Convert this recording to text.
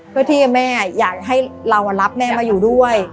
เพื่อที่แม่อยากให้เรารับแม่มาอยู่ด้วย